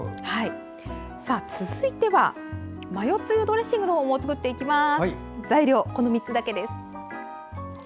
続いてはマヨつゆドレッシングを作っていきます。